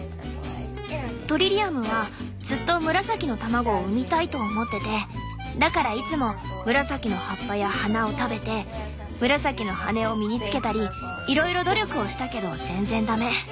トリリアムはずっと紫の卵を産みたいと思っててだからいつも紫の葉っぱや花を食べて紫の羽を身につけたりいろいろ努力をしたけど全然ダメ。